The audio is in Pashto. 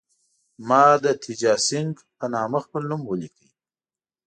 ما د تیجاسینګه په نامه خپل نوم ولیکه.